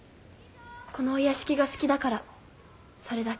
このお屋敷が好きだからそれだけ。